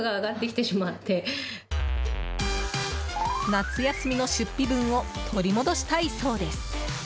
夏休みの出費分を取り戻したいそうです。